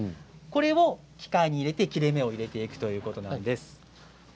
これを機械に入れて切れ目を入れていくということなんです。